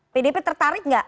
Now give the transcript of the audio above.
pdp tertarik nggak